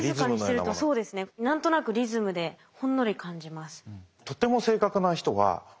何となくリズムでほんのり感じます。